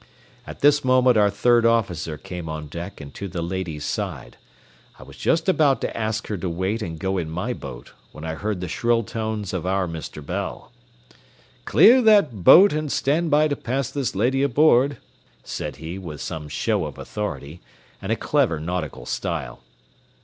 At this moment our third officer came on deck and to the lady's side. I was just about to ask her to wait and go in my boat when I heard the shrill tones of our Mr. Bell. "Clear that boat, and stand by to pass this lady aboard," said he, with some show of authority, and a clever nautical style.